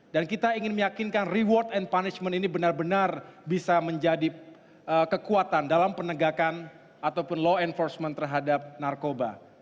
dan kita ingin meyakinkan reward and punishment ini benar benar bisa menjadi kekuatan dalam penegakan ataupun law enforcement terhadap narkoba